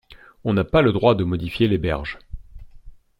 On n’a pas le droit de modifier les berges.